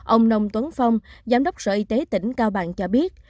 ông nông tuấn phong giám đốc sở y tế tỉnh cao bằng cho biết